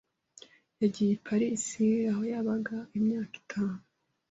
Yagiye i Paris, aho yabaga imyaka itanu.